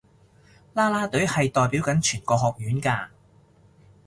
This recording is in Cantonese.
啦啦隊係代表緊全個學院㗎